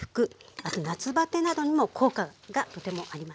あと夏バテなどにも効果がとてもありますね。